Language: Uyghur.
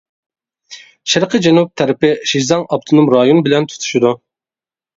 شەرقىي جەنۇب تەرىپى شىزاڭ ئاپتونوم رايون بىلەن تۇتىشىدۇ.